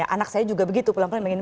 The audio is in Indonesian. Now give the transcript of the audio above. anak saya juga begitu pulang pulang begini